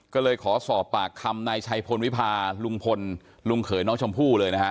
ก็เลยขอสอบปากคำนายชัยพลวิพาลุงพลลุงเขยน้องชมพู่เลยนะฮะ